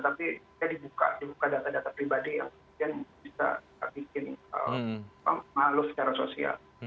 tapi dibuka dibuka data data pribadi yang bisa bikin malu secara sosial